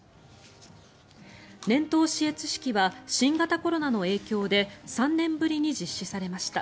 年頭視閲式は新型コロナの影響で３年ぶりに実施されました。